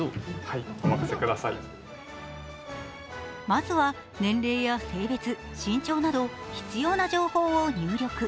まずは年齢や性別、身長など必要な情報を入力。